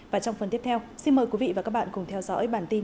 và trong phần tiếp theo xin mời quý vị và các bạn cùng theo dõi bản tin